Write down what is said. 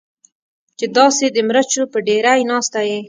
چې داسې د مرچو په ډېرۍ ناسته یې.